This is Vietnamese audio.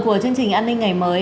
của chương trình an ninh ngày mới